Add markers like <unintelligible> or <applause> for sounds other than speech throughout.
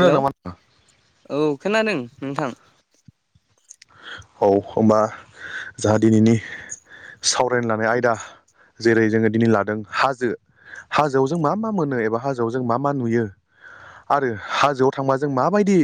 हेल' नामा? औ खोनादों नोंथां औ होमबा जाहा दिनैनि सावरायनो लानाय आयदा जेरै जोङो दिनै लादों हाजो हाजोआव जों मा मा मोनो एबा हाजोआव जों मा मा नुयो आरो हाजोआव थांबा जों माबायदि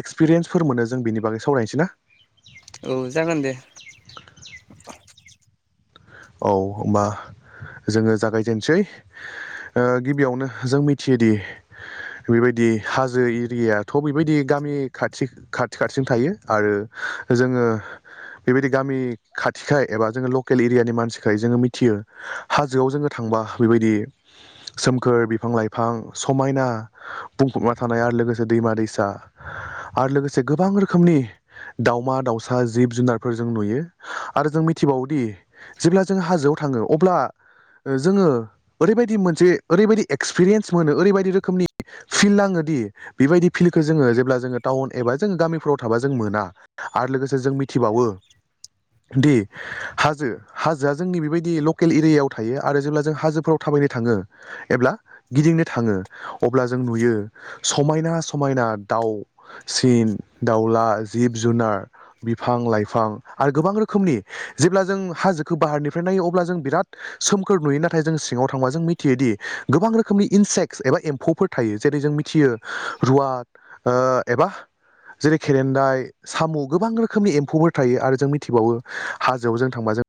एक्सपिरियेन्सफोर मोनो जों बेनि बागै सावरायनोसै ना औ जागोन दे औ होमबा जोङो जागायजेनसै गिबियावनो ओ जों मिथियोदि बेबायदि हाजो एरियाथ' बेबायदि गामि खाथि खाथि खाथिनो थायो आरो जोङो बेबायदि गामि खाथिखाय एबा जोङो लकेल एरियानि मानसि मानसिखाय जोङो मिथियो हाजोआव जोङो थांबा बेबायदि सोमखोर बिफां लाइफां समायना बुंफबना थानाय आरो लोगोसे दैमा दैसा आरो लोगोसे गोबां रोखोमनि दाउमा दाउसा जिब जुनारफोर जों नुयो आरो जों मिथिबावोदि जेब्ला जों हाजोआव थाङो अब्ला जोङो ओरैबादि मोनसे ओरैबादि एक्सपिरियेन्स मोनो ओरैबायदि रोखोमनि फिल नाङो दि बिबायदि फिलखो जोङोबाज गामिफ्राव थाबा जों मोना आरो लोगोसे जों मिथिबावो दि हाजो हाजोआ जोंनि बेबायदि लकेल एरियायाव थायो आरो जेब्ला जों हाजोफ्राव थाबायनो थाङो एब्ला गिदिर दिंनो थाङो अब्ला जों नुयो समायना समायना दाउसिन दाउला जिब-जुनार, बिफां-लाइफां आरो गोबां रोखोमनि जेब्ला जों हाजो खो बाहारनिफ्राय नायो अब्ला जों बिराद सोमखोर नुयो नाथाय जों सिङाव थांबा जों मिथियोदि गोबां रोखोमनि इ सेक्स एबा एमफौफोर थायो जेरै जों मिथियो रुवा ओ एबा जेरै खेरेन्दाय साम' गोबां रोखोमनि एम्फौफोर थायो आरो जों मिथिबावो हाजोआव जों थांबा जों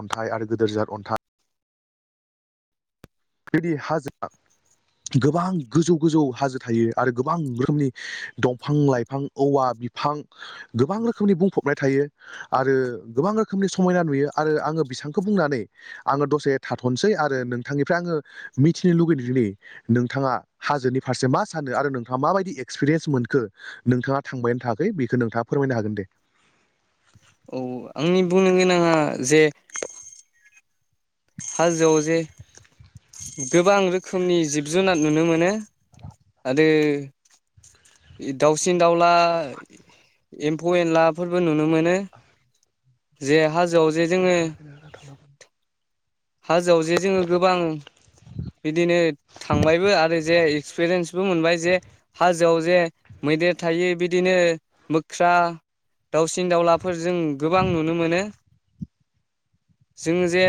अन्थाइ आरो गोदोर जाथ अन्थाइ बिदि हाजो गोबां गोजौ गोजौ हाजो थायो आरो गोबां रोखोमनि दंफां लाइफां औवा बिफां गोबां रोखोमनि बुंफबनाय थायो आरो गोबां रोखोमनि समायना नुयो आरो आं बिसांखो बुंनानै आङो दसे थाथ'नोसै आरो नोंथांनि फ्राय आङो मिथिनो लुगैदोंदि नोंथाङा हाजोनि फारसे मा सानो आरो नोंथाङा माबायदि एक्सपिरि रेस मोनखो नोंथाङा थांबायना थाङाखै बेखौ नोंथाङा फोरमायनो हागोन दे औ आंनि बुंनो गोनाङा जे हाजोआव जे गोबां रोखोम खोमनि जिब जुनार नुनो मोनो आरो दाउसिन दाउला एमफौ एनलाफोरबो नुनो मोनो जे हाज <unintelligible> हाजोआव जे जोङो गोबां बिदिनो थांबायबो आरो जे एक्सपिरियेन्सबो मोनबाय जे हाजोआव जे मैदेर थायो बिदिनो मोख्रा दाउसिन‌ दावलाफोरजों गोबां नुनो मोनो जों जे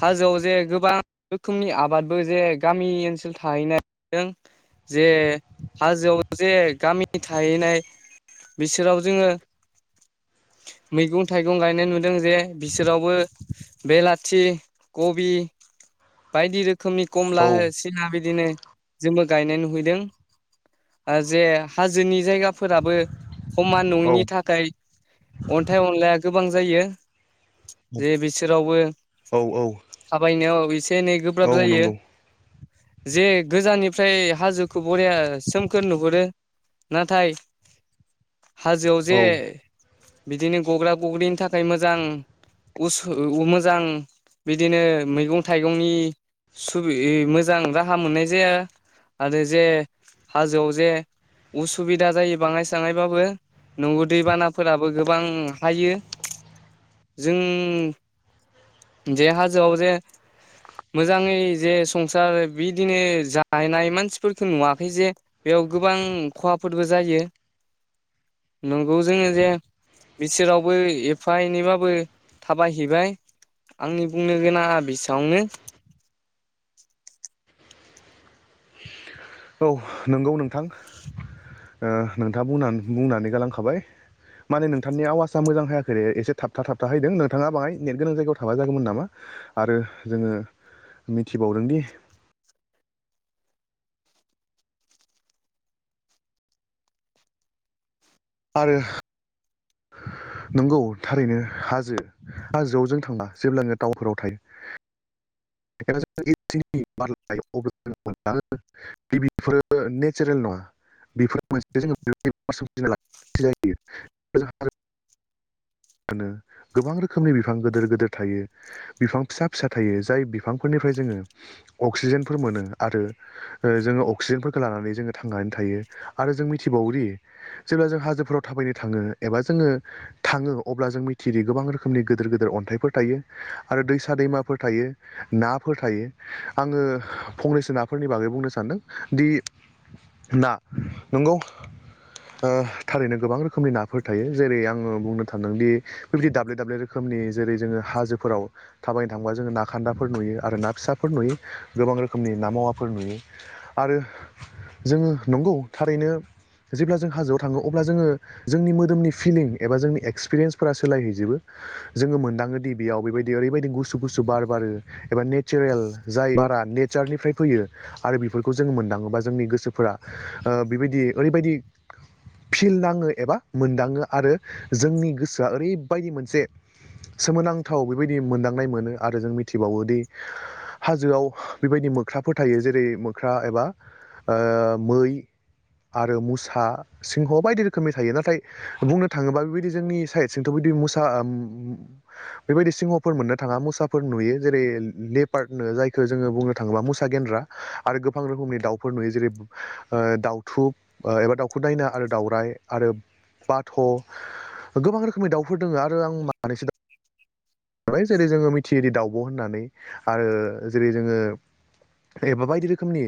हाजोआव जे गोबां रोखोमनि आबादबो जे गामि ओनसोल थाहैनाय दों जे हाजोआव जे गामि थाहैनाय बिसोराव जोङो मैगं थाइगं गायनाय नुदों जे बिसोरावबो बेलाथि थि कबि बायदि रोखोमनि कमला औ हो सिना बिदिनो जोंबो गायनाय नुहैदों ओ जे हाजोनि जायगाफोराबो खमान औ नङिनि थाखाय अन्थाइ अनलाया गोबां जायो जे बिसोरावबो औ औ थाबायनायाव इसे एनै औ गोब्राब जायो नंगौ जे गोजाननिफ्राय हाजोखौ बरिया सोमखोर नुहुरो नाथाय हाजोआव औ जे बिदिनो गग्रा गग्रिनि थाखाय मोजां उसु मोजां बिदिनो मैगं थाइगंनि सुबि मोजां राहा मोननाय जाया आरो जे हाजोआव जे उसुबिदा जायो बाङाय साङायबाबो न'आव दैबानाफोराबो गोबां हायो जों जे हाजोआव जे मोजाङै जे संसार बिदिनो जाहैनाय मानसिफोरखौ नुवाखै जे बे याव गोबां ख'हाफोरबो जायो नंगौ जोङो जे बिसोरावबो एफा एनैबाबो थाबायहैबाय आंनि बुंनो गोनाङा बेसावनो औ नंगौ नोंथां ओ नोंथाङा बुंना बुंनानै गालांखाबाय माने नोंथांनि आवाजा मोजां हायाखैरे एसे थाबथा थाबथा हैदों नोंथाङा बाहाय नेट गोनां जायगायाव थाबा जागौमोन नामा आरो जोङो मिथिबावदोंदि आरो <inaudible> नंगौ थारैनो हाजो हाजोआवजों थांबा जेब्लाङो दाउफोराव थायो <unintelligible> बेफोरो नेचारेल नङा बेफोर मोनसे <unintelligible> जायो मोनो गोबां रोखोमनि बिफां गोदोर गोदोर थायो बिफां फिसा फिसा थायो जाय बिफांफोरनि बेफ्राय जोङो अक्सिजेनफोर मोनो आरो जोङो अक्सिजेनफोरखौ लानानै जोङो थांनानै थायो आरो जों मिथिबावोदि जेब्ला जों हाजोफोराव थाबायनो थाङो एबा जोङो थाङो अब्ला जों मिथियो गोबां रोखोमनि गोदोर गोदोर अन्थाइफोर थायो आरो दैसा दैमाफोर थायो नाफोर फोर थायो आङो फंनैसोनाफोरनि बागै बुंनो सान्दों दि दा नंगौ थारैनो गोबां रोखोमनि नाफोर थायो जेरै आङो बुंनो था थांदोंदि बेबायदि दाब्ले दाब्ले रोखोमनि जेरै जोङो हाजोफोराव थाबायनो थांबा जोङो नाखान्दाफोर नुयो आरो ना फिसाफोर नुयो गोबां रोखोमनि ना मावाफोर नुयो आरो जोङो नंगौ थारैनो जेब्ला जों हाजोआव थाङो अब्ला जोङो जोंनि मोदोमनि फिलिं एबा जोंनि एक्सपिरियेन्सफोरा सोलायहैजोबो जोङो मोनदाङो दि बेयाव बेबायदि ओरैबायदि गुसु गुसु बार बारो <unintelligible> नेचारेल जाय बारा नेचारनिफ्राय फैयो आरो बेफोरखौ जोङो मोनदाङोबा जोंनि गोसोफोरा ओ बेबायदि ओरैबायदि फिल नाङो एबा मोनदाङो आरो बायदि मोनसे सोमोनांथाव बेबायदि मोनदांनाय मोनो आरो जों मिथिबावोदि हाजोआव बेबायदि मोख्राफोर थायो जेरै मोख्रा एबा मै आरो मुसा सिंह बायदि रोखोमनि थायो नाथाय बुंनो थाङोबा बे जोंनि साइड सिंथ' बिदि मुसा बेबायदि सिंहफोर मोननो थाङा मुसाफोर नुयो जेरै लेपार्नो जायखौ जोङो बुंनो थाङोब्ला मुसा गेन्द्रा आरो गोबां रोखोमनि दाउफोर नुयो जेरै ओ दाउथुब एबा दाउखु दायना आरो दाउराय आरो बाथ' गोबां रोखोमनि दाउफोर दोङो आरो आं मानैसो जेरै जोङो मिथियै दाउ दावब होननानै आरो जेरै जोङो एबा बायदि रोखोमनि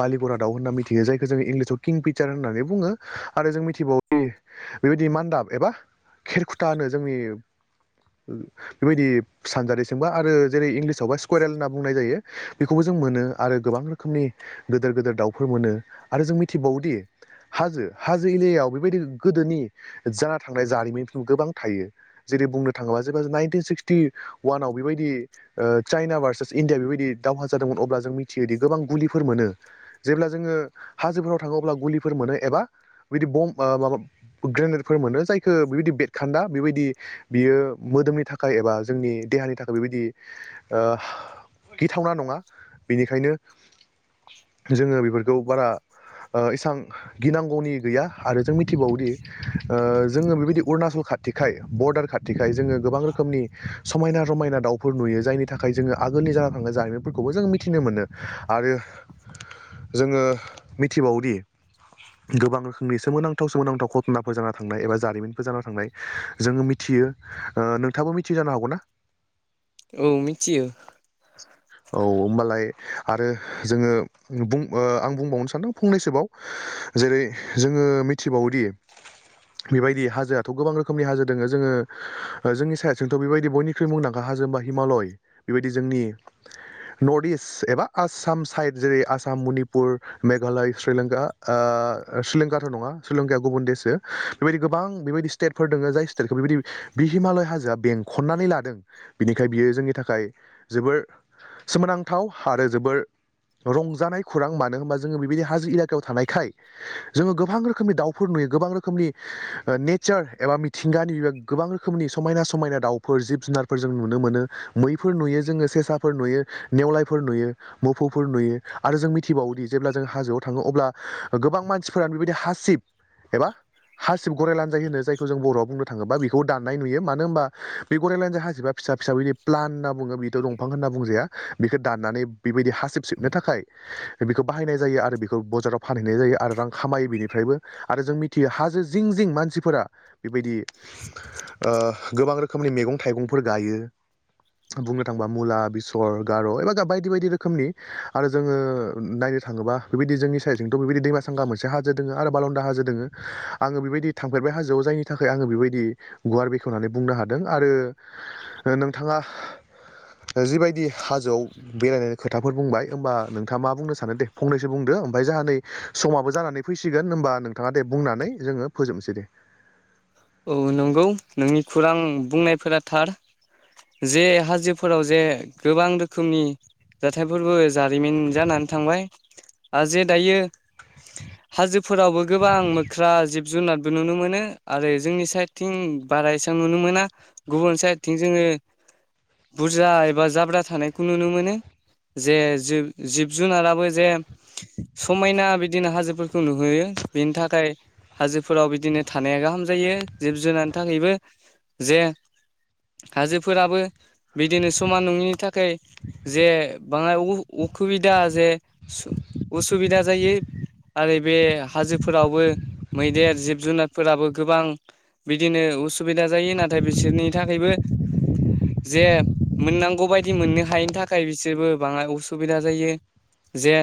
बालिबरा दाउ होनना मिथियो जायखौ जोङो इंलिसाव किं फिचार होननानै बुङो आरो जों मिथिबावो बेबायदि मान्दाब एबा खेरखुथा होनो जोंनि बेबायदि सानजारि सोंबा आरो जेरै इंलिसावबा स्कुरेल होनना बुंनाय जायो बेखौबो जों मोनो आरो गोबां रोखोमनि गोदोर गोेदोर दाउफोर मोनो आरो जों मिथिबावोदि हाजो हाजो एलयायाव बेबायदि गोदोनि जाना था थांनाय जारिमिन गोबां थायो जेरै बुंनो थाङोबा ज नन सिक्टि वानाव बेबायदि चाइना भार्चस इण्डिया बेबायदि दावहा जादोंमोन अब्ला जों मिथियोदि गोबां गुलिफोर मोनो जेब्ला जोङो हाजोफोराव थाङो अब्ला गुलिफोर मोनो मोनो एबा बिदि बम एबा ग्रेनेलफैर मोनो जाय खो बेबायदि बेरखान्दा बेबायदि बियो मोदोमनि थाखाय एबा जोंनि देहानि थाखाय बेबायदि गिथावना नङा बेनिखायनो जोङो बेफोरखौ बारा इसां गिनांगौनि गैया आरो जों मिथिबावोदि जोङो बेबायदि अरुणाचल खाथिखाय बरदार खाथिखाय जोङो गोबां रोखोमनि समायना रमायना दाउफोर नुयो जायनि थाखाय जोङो आगोलनि जाना थांनाय जारिमिनफोरखौबो जों मिथिनो मोनो आरो जोङो मिथिबावोदि गोबां सोमोनांथाव सोमोनांथाव घटनाफोर जानानै थांनाय एबा जारिमिनफोर जाना थांनाय जोङो मिथियो नोंथांआबो मिथियो जानो हागौना औ मिथियो <inaudible> औ होनबालाय आरो जोङो बुं आं बुंबावनो सानदों फंनैसोबाव जेरै जोङो मिथिबावोदि <inaudible> बेबायदि हाजोआथ' गोबां रोखोमनि हाजो दोङो जोङो जोंनि साइडथिंथ' बेबायदि बयनिख्रुइ मुंदांखा होनबा हिमालय बेबायदि जोंनि नर्थ इस्ट एबा आसाम साइड जेरै आसाम मनिपुर मेघालय श्रीलंका ओ <unintelligible> नङा शीलंकाया गुबुन देशसो बेबायदि गोबां बेबायदि स्टेटफोर दङ जाय स्टेटखौ बेबायदि बि हिमालय हाजोआ बेंखननानै लादों बेनिखायनो बे बियो जोंनि थाखाय जोबोर सोमोनांथाव आरो जोबोर रंजानाय खौरां मानो होनबा जोंङो बेबायदि हाजो एलकायाव थानायखाय जोङो गोबां रोखोमनि दाउफोर नु गोबां रोखोमनि <inaudible> नेचार एबा मिथिंगानि बे गोबां रोखोमनि समायना समायना दाउफोर जिब जुनारफोर जों नुनो मोनो मैफोर नुयो जोंङो सेसाफोर नुयो नेवलायफोर नुयो मोफौफोर नुयो आरो जों मिथिबावदि जेब्ला जों हाजोआव थांङो अब्ला गोबां मानसिफोरानो बेबायदि हासिब एबा हासिब गरराय लानजाय होनो जायखौ जों बर'आव बुंनो थांङोबा बेखौ दाननाय नुयो मानो होनबा बे गरराय लानजाय हासिबा फिसा फिसा बिदि प्लान होनना बुंङो बिथ' दंफां होनना बुंजाया बेखौ दाननानै बेबायदि हासिब सिबनो थाखाय बेखौ बाहायनाय जायो आरो बेखौ बाजाराव फानहैनाय जायो आरो रां खामायो बेनिफ्रायबो आरो जों नि थि हाजो जिं जिं मानसिफोरा बेबायदि गोबां रोखोमनि मैगं - थाइगं फोर गायो। बुंनो थांङोबा मुला बेसर गार' एबा बायदि बायदि रोखोमनि आरो जोंङो नाय थांङोबा बेबायदि जोंनि साइडजोंथ' बेदि दैमा सांगा मोन हाजो दंङो आरो बाललदा हाजो दंङो आंङो बेबायदि थांफेरबाय हाजोआव जायनि थाखाय आंङो बेबायदि गुवार बेखेवनानै बुंनो हादों आरो नोंथांङा <inaudible> जिबायदि हाजोआव बेरायनायनि खोथाफोर बुंबाय होमबा नोंथाङा मा बुंनो सानो दे फंनैसो बुंदों ओमाय जाह नानि समाबो जानानै फैसिगोन होमबा नोंथांङा दे बुंनानै जोंङो फोजोबनोसै दे औ नंगौ नोंनि खौरां बुंनायफोरा थार जे हाजोफोराव जे गोबां रोखोमनि जाथायफोरबो जारिमिन जानानै थांबाय आरो जे दायो हाजो फोरावबो गोबां मोख्रा जिब जुनारबो नुनो मोनो आरो जोंनि साइडथिं बारा एसेबां नुनो मोना गुबुन साइडथिं जोंङो बुरजा एबा जाब्रा थानायखौ नुनो मोनो जे जिब जुनाराबो जे समायना बिदिनो हाजोफोरखौ नुहोयो बेनि थाखाय हाजोफोराव बिदिनो थानाया गाहाम जायो जिब जुनारनि थाखायबो जे हाजोफोराबो बिदिनो समान नंङाबा थाखाय जे बाङाय उसुबिदा जे असुबिदा जायो आरो बे हाजोफोरावबो मैदेर जिब जुनारफोराबो गोबां बिदिनो उसुबिदा जायो नाथाय बिसोरनि थाखायबो जे मोननांगौ बायदि मोननो हायिनि थाखाय बिसोरबो बांङाय उसुबिदा जायो। जे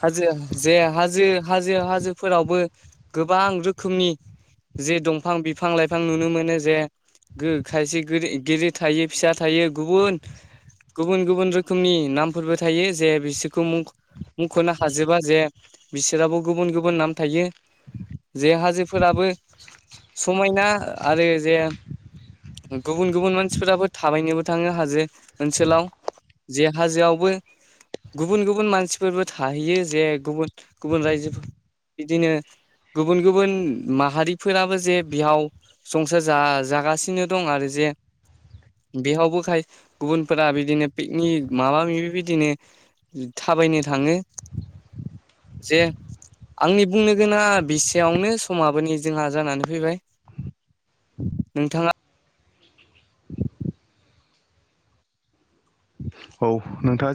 हाजो जे हाजो हाजो हाजोफोरावबो गोबां रोखोम रोखोमनि जे दंफां बिफां लाइफां नुनो मोनो जे खायसे गेरि थायो फिसा थायो गुबुन गुबुन गुबुन रोखोमनि नामफोरबो थायो जे बिसोरखौ मुं मख'नो हाजोबा जे बिसोराबो गुबुन गुबुन नाम थायो। जे हाजोफोराबो समायना आरो जे गुबुन गुबुन मानसिफोराबो थाबायनोबो थांङो हाजो ओनसोलाव जे हाजोआवबो गुबुन गुबुन मानसिफोरबो थाहैयो जे गुबुन गुबुन रायजोफोर बिदि दिनो गुबुन गुबुन माहारिफोराबो जे बिहाव संसार जा जागासिनो दं आरो जे। <inaudible> बेयावबो गुबुनफोरा बिदिनो पिकनिक माबा माबि बिदिनो। थाबायनो थांङो जे आंनि बुंनो गोनां। बेसेयावनो समाबो जोंहा जानानै फैबाय नोंथाङा। औ नोंथाङा।